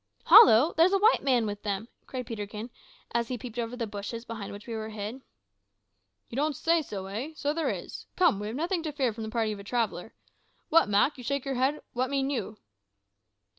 "Hollo! there's a white man with them," cried Peterkin, as he peeped over the bushes behind which we were hid. "You don't say so, eh? So there is. Come; we have nothing to fear from the party of a traveller. What, Mak, you shake your head! What mean you?"